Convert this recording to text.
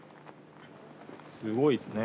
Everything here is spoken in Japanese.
すごいですね。